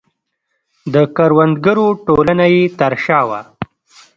د کروندګرو ټولنه یې تر شا وه.